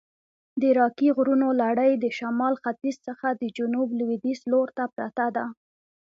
د راکي غرونو لړي د شمال ختیځ څخه د جنوب لویدیځ لورته پرته ده.